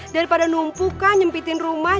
daripada numpukan nyempitin rumah